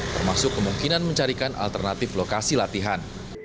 termasuk kemungkinan mencarikan alternatif lokasi latihan